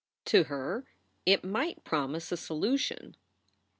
To her it might promise a solution.